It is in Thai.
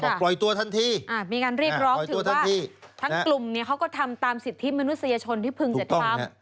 บอกปล่อยตัวทันทีทั้งกลุ่มเขาก็ทำตามสิทธิมนุษยชนที่พึงจะทำ